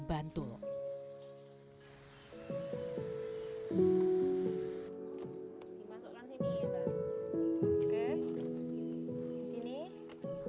di bandar kabupaten bantul